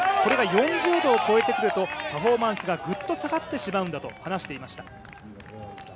これが４０度を超えてくると、パフォーマンスがぐっと下がってしまうんだと話していました。